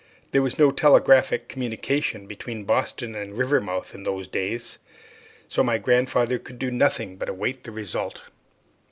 There was no telegraphic communication between Boston and Rivermouth in those days; so my grandfather could do nothing but await the result.